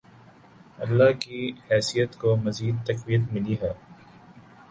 اللہ کی حیثیت کو مزید تقویت ملی ہے۔